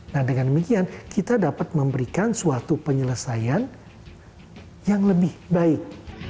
nah dengan demikian kita dapat memberikan suatu penyelesaian yang lebih baik